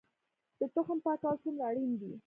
د تخم پاکول څومره اړین دي؟